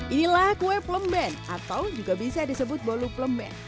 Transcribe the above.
inilah kue plemen atau juga bisa disebut bolu plemen